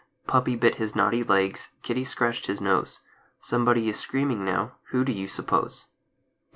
Puppy bit his naughty legs, Kitty scratched his nose. Somebody is screaming now, Who, do you suppose? A LAD.